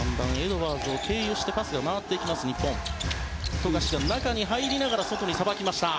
富樫、中に入りながら外にさばきました。